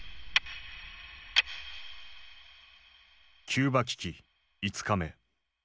キューバ危機５日目。